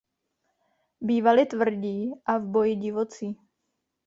Bývali tvrdí a v boji divocí.